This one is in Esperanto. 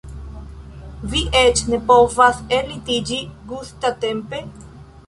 Vi eĉ ne povas ellitiĝi gustatempe?